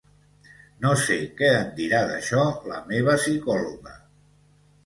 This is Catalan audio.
No sé què en dirà, d'això, la meva psicòloga.